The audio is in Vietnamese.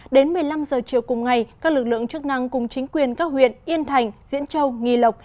đến một mươi năm h chiều cùng ngày các lực lượng chức năng cùng chính quyền các huyện yên thành diễn châu nghi lộc